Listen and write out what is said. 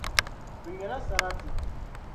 Bɛ nyɛla sarati.